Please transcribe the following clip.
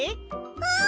うん！